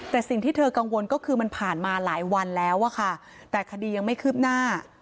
แต่สิ่งที่เธอกังวลก็คือมันผ่านมาหลายวันแล้วอะค่ะแต่คดียังไม่คืบหน้า